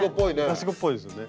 刺し子っぽいですよね。